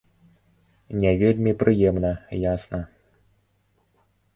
Не вельмі прыемна, ясна.